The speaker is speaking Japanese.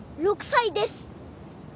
６歳です。